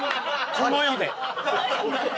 この世で？